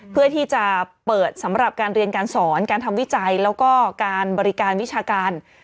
เพื่อที่จะเปิดสำหรับการเรียนการสอนการทำวิจัยแล้วก็การบริการวิชาการ